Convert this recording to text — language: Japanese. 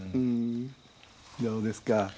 どうですか？